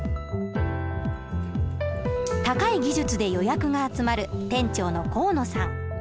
高い技術で予約が集まる店長の河野さん。